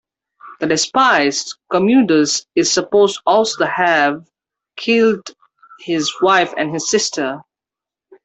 The despised Commodus is supposed also to have killed his wife and his sister.